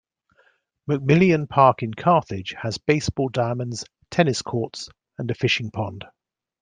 McMillian Park in Carthage has baseball diamonds, tennis courts, and a fishing pond.